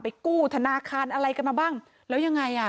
กู้ธนาคารอะไรกันมาบ้างแล้วยังไงอ่ะ